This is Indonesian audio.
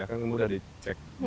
kan mudah dicek